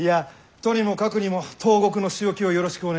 とにもかくにも東国の仕置きをよろしくお願いいたします。